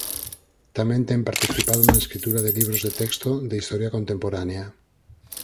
Tamén ten participado na escritura de libros de texto de historia contemporánea.